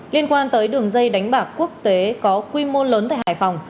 liên quan tới đường dây đánh bạc quốc tế có quy mô lớn tại hải phòng